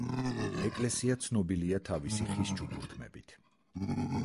ეკლესია ცნობილია თავისი ხის ჩუქურთმებით.